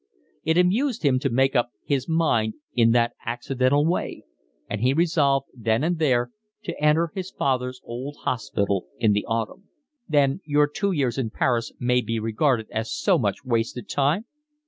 It amused him to make up his mind in that accidental way, and he resolved then and there to enter his father's old hospital in the autumn. "Then your two years in Paris may be regarded as so much wasted time?"